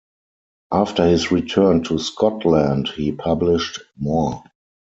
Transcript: After his return to Scotland he published more.